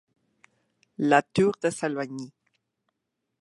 La Tour-de-Salvagny